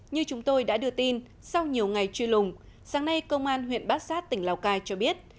như chúng tôi đã đưa tin sau nhiều ngày truy lùng sáng nay công an huyện bát sát tỉnh lào cai cho biết